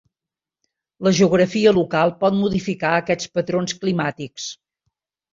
La geografia local pot modificar aquests patrons climàtics.